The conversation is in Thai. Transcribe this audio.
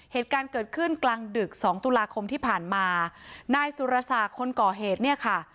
เหตุการณ์เกิดขึ้นกลางดึกสองตุลาคมที่ผ่านมานายสุรศักดิ์คนก่อเหตุเนี่ยค่ะ